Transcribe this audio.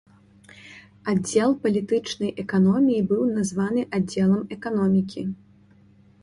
Аддзел палітычнай эканоміі быў названы аддзелам эканомікі.